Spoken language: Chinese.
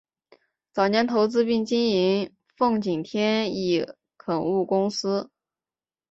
早年投资并经营奉锦天一垦务公司。